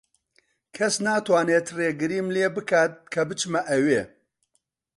کەس ناتوانێت ڕێگریم لێ بکات کە بچمە ئەوێ.